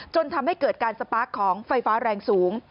จนทำให้เกิดการสปาร์คของไฟฟ้าแรงสูง